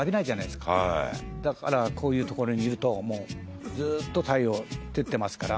「だからこういう所にいるとずーっと太陽照ってますから」